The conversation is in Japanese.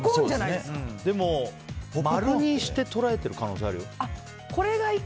でも、丸にして捉えてる可能性あるよ。